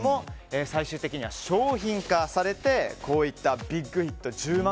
最終的には商品化されてこういったビッグヒット１０万